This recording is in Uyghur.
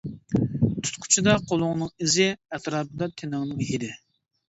تۇتقۇچىدا قولۇڭنىڭ ئىزى، ئەتراپىدا تېنىڭنىڭ ھىدى.